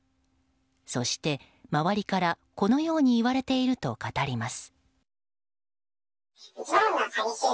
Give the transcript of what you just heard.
そして、周りからこのように言われていると語ります。